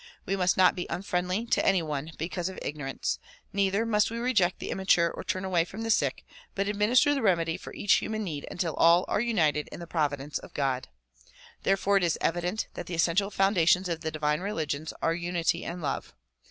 We must not be unfriendly to any one because of ignorance, neither must we reject the immature or turn away from the sick but administer the remedy for each human need until all are united in the providence of God. Therefore it is evident that the essential foundations of the divine religions are unity and love.